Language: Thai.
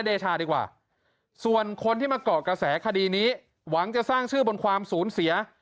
เดชาดีกว่าส่วนคนที่มาเกาะกระแสคดีนี้หวังจะสร้างชื่อบนความสูญเสีย